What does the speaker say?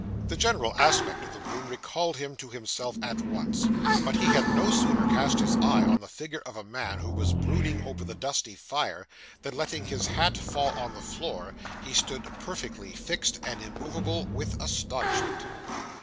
The general aspect of the room recalled him to himself at once; but he had no sooner cast his eye on the figure of a man who was brooding over the dusty fire, than, letting his hat fall on the floor, he stood perfectly fixed and immovable with astonishment.